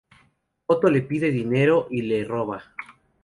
Otto le pide dinero y le roba.